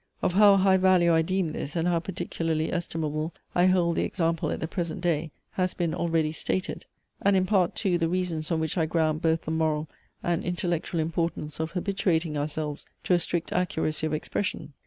Of how high value I deem this, and how particularly estimable I hold the example at the present day, has been already stated: and in part too the reasons on which I ground both the moral and intellectual importance of habituating ourselves to a strict accuracy of expression.